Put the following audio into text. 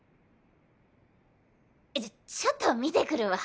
ちょちょっと見てくるわ。